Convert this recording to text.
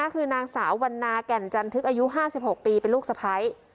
คือนางสาววันนาแก่นจันทึกอายุ๕๖ปีเป็นลูกสะพ้าย